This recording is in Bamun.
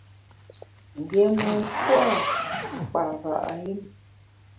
Mgbiémùn pua’ mkpara’ yùm.